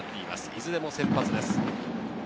いずれも先発です。